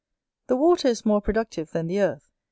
The water is more productive than the earth.